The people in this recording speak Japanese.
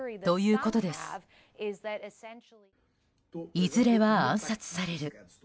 いずれは暗殺される。